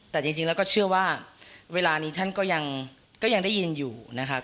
แต่จริงแล้วก็เชื่อว่าเวลานี้ท่านก็ยังได้ยินอยู่นะคะ